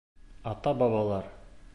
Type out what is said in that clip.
Ата-бабалар.